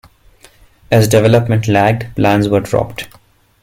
As development lagged, plans were dropped.